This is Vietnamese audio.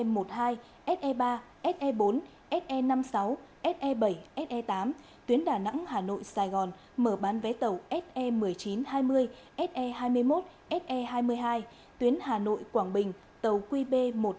mở bán vé tàu se một nghìn chín trăm hai mươi se hai mươi một se hai mươi hai tuyến hà nội quảng bình tàu qb một mươi hai